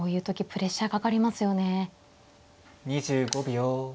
２５秒。